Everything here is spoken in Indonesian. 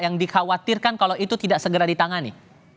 yang dikhawatirkan kalau itu tidak segera ditangani